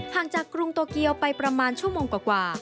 จากกรุงโตเกียวไปประมาณชั่วโมงกว่า